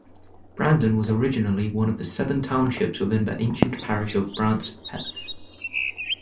Brandon was originally one of the seven townships within the ancient parish of Brancepeth.